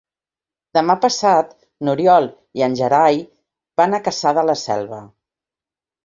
Demà passat n'Oriol i en Gerai van a Cassà de la Selva.